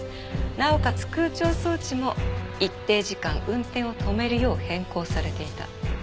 なおかつ空調装置も一定時間運転を止めるよう変更されていた。